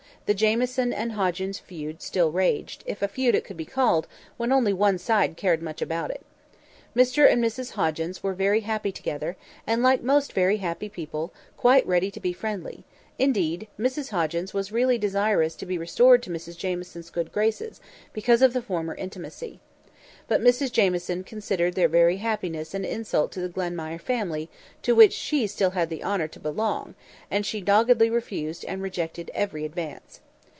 The Jamieson and Hoggins feud still raged, if a feud it could be called, when only one side cared much about it. Mr and Mrs Hoggins were very happy together, and, like most very happy people, quite ready to be friendly; indeed, Mrs Hoggins was really desirous to be restored to Mrs Jamieson's good graces, because of the former intimacy. But Mrs Jamieson considered their very happiness an insult to the Glenmire family, to which she had still the honour to belong, and she doggedly refused and rejected every advance.